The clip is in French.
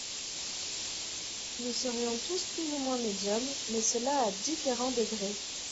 Nous serions tous plus ou moins médiums mais cela à différents degrés.